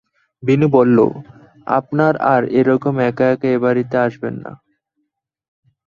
বিনু বলল, আপনি আর এ-রকম এক-একা এ বাড়িতে আসবেন না!